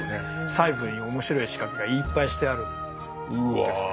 細部に面白い仕掛けがいっぱいしてあるんですね。